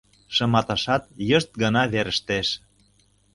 Шыматашат йышт гына верештеш.